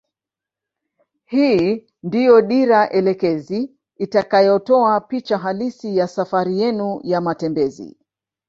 Hii ndio dira elekezi itakayotoa picha halisi ya safari yenu ya matembezi